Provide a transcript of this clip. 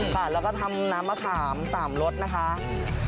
ค่ะแล้วก็ทำน้ำมะขาม๓รสนะคะ